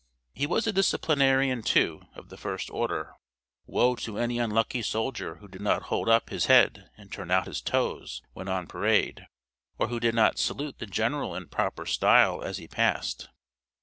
He was a disciplinarian, too, of the first order. Woe to any unlucky soldier who did not hold up his head and turn out his toes when on parade; or who did not salute the general in proper style as he passed.